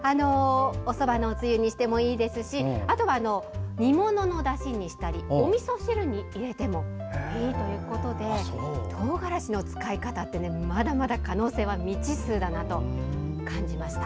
おそばのおつゆにしてもいいですしあとは煮物のだしにしたりおみそ汁に入れてもいいということでトウガラシの使い方ってまだまだ可能性は未知数だなとかんじました。